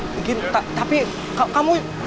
begin tapi kamu